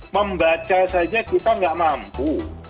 membaca saja kita nggak mampu